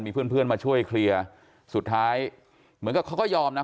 เพื่อนเพื่อนมาช่วยเคลียร์สุดท้ายเหมือนกับเขาก็ยอมนะ